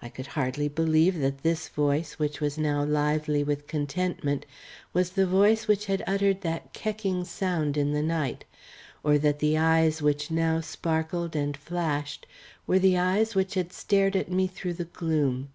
I could hardly believe that this voice which was now lively with contentment was the voice which had uttered that kecking sound in the night, or that the eyes which now sparkled and flashed were the eyes which had stared at me through the gloom.